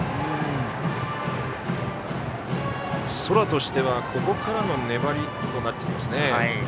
空としてはここからの粘りとなってきますね。